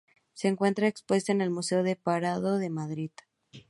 Se encuentra expuesta en el Museo del Prado de Madrid.